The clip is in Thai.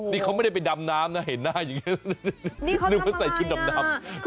นี่เขาไม่ได้ไปดำน้ำนะเห็นหน้าอย่างนี้นึกว่าใส่ชุดดำ